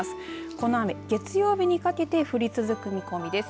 この雨、月曜日にかけて降り続く見込みです。